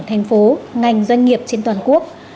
thành phố ngành doanh nghiệp trên toàn quốc